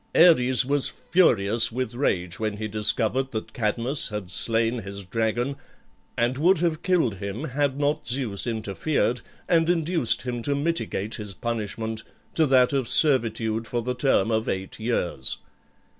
Ares was furious with rage when he discovered that Cadmus had slain his dragon, and would have killed him had not Zeus interfered, and induced him to mitigate his punishment to that of servitude for the term of eight years.